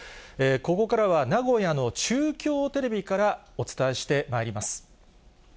ここからは、名古屋の中京テレビから、お伝えしてまいります。